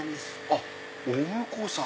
あっお婿さん。